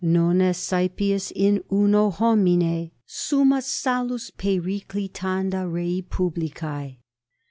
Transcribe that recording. Non est saepius in uno homine summa salus periclitanda rei publicae.